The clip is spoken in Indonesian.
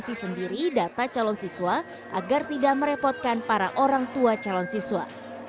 terima kasih sendiri data calon siswa agar tidak merepotkan para orang tua calon siswa